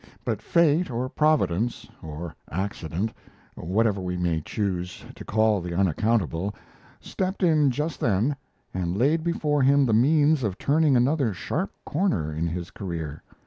But Fate or Providence or Accident whatever we may choose to call the unaccountable stepped in just then, and laid before him the means of turning another sharp corner in his career.